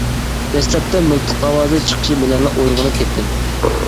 دەسلەپتە مىلتىق ئاۋازى چىقىشى بىلەنلا ئويغىنىپ كەتتىم.